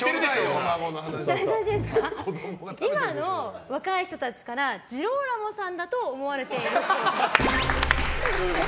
今の若い人たちからジローラモさんだと思われているっぽい。